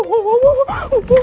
gue gak mau